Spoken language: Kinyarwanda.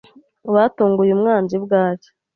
Batunguye umwanzi bwacya.